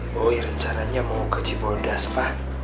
boy rencananya mau ke ciboldas pa